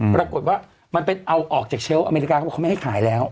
ปรากฏว่ามันเป็นเอาออกจากเชลล์อเมริกาเขาบอกเขาไม่ให้ขายแล้ว